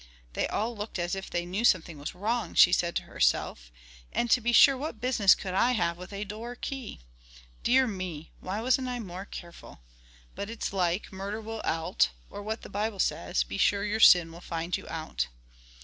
"They all looked as if they knew something was wrong," she said to herself, "and to be sure what business could I have with a door key. Dear me! why wasn't I more careful. But it's like 'murder will out;' or what the Bible says; 'Be sure your sin will find you out.'"